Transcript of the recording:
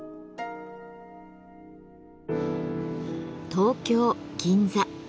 東京・銀座